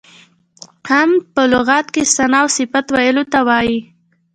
حمد په لغت کې ثنا او صفت ویلو ته وایي.